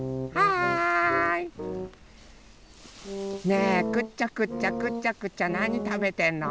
ねえくちゃくちゃくちゃくちゃなにたべてんの？